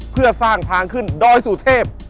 เพื่อสร้างทางขึ้นดอยสุเทพ